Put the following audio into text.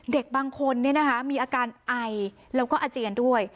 เด็กบางคนเนี่ยนะคะมีอาการไอแล้วก็อาเจียนด้วย